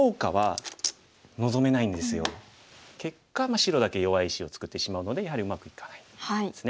結果白だけ弱い石を作ってしまうのでやはりうまくいかないんですね。